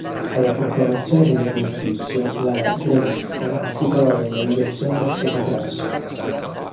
Alla proclamazione dell'armistizio la "Gradisca" si trovava in navigazione verso Patrasso.